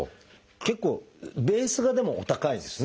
結構ベースがでもお高いんですね。